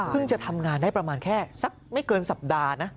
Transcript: จะทำงานได้ประมาณแค่สักไม่เกินสัปดาห์นะ